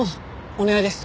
お願いです。